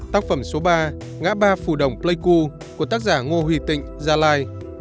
tác phẩm số ba ngã ba phù đồng pleiku của tác giả ngô huy tịnh gia lai